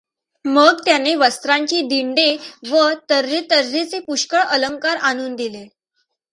मग त्यानें वस्त्रांचीं दिंडें व तर् हेतऱ्हेचे पुष्कळ अलंकार आणून दिले.